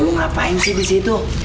lu ngapain sih disitu